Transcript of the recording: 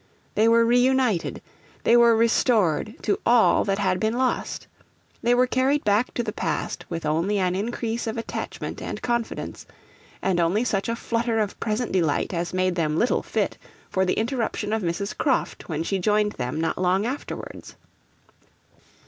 They were re united. They were restored to all that had been lost. They were carried back to the past with only an increase of attachment and confidence, and only such a flutter of present delight as made them little fit for the interruption of Mrs. Croft when she joined them not long afterwards.